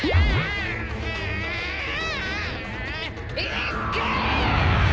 いっけー！